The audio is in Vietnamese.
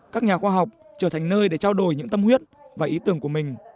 các nhà khoa học trở thành nơi để trao đổi những tâm huyết và ý tưởng của mình